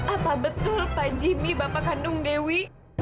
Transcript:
apa betul pak jimmy bapak kandung dewi